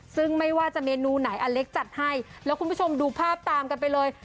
ซึ่งไม่ว่าจะเมนูไหนอเล็กจัดให้แล้วคุณผู้ชมดูภาพตามกันไปเลย